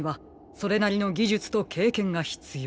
それなりのぎじゅつとけいけんがひつよう。